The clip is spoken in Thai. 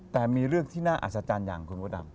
แต่มีเรื่องที่น่าอัศจรรย์อย่างคุณมดดำ